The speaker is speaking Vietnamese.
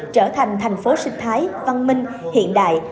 trở thành thành phố sinh thái văn minh hiện đại